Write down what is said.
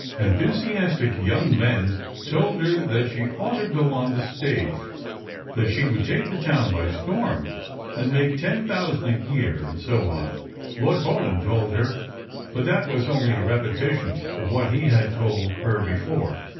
Enthusiastic young men told her that she ought to go on the stage, that she would take the town by storm, and make ten thousand a year, and so on. Lord Paulyn told her — but that was only a repetition of what he had told her before.